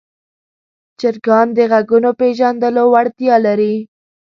چرګان د غږونو پېژندلو وړتیا لري.